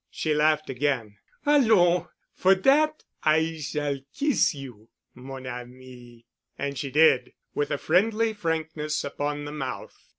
She laughed again. "Allons! For dat—I shall kees you, mon ami." And she did, with a friendly frankness, upon the mouth.